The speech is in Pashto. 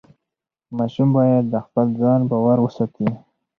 ماشوم باید د خپل ځان باور وساتي.